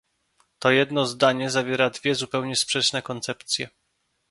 To jedno zdanie zawiera dwie zupełnie sprzeczne koncepcje